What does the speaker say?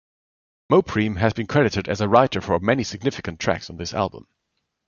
Mopreme has been credited as a writer for many significant tracks on this album.